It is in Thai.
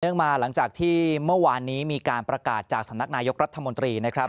มาหลังจากที่เมื่อวานนี้มีการประกาศจากสำนักนายกรัฐมนตรีนะครับ